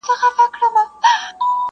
په محشر کي به پوهیږي چي له چا څخه لار ورکه،